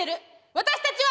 私たちは。